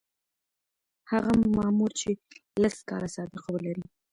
هغه مامور چې لس کاله سابقه ولري.